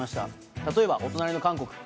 例えばお隣の韓国。